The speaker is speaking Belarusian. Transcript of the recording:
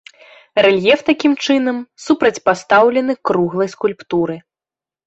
Рэльеф такім чынам супрацьпастаўлены круглай скульптуры.